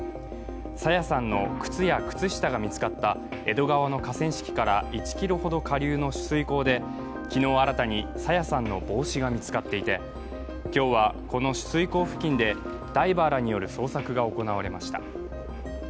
朝芽さんの靴や靴下が見つかった江戸川の河川敷から１ｋｍほど下流の取水口で、昨日新たに朝芽さんの帽子が見つかっていて今日はこの取水口付近でダイバーらによる捜索が行われました。